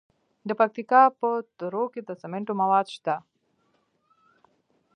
د پکتیکا په تروو کې د سمنټو مواد شته.